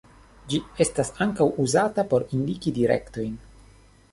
Ĝi estas ankaŭ uzata por indiki direktojn.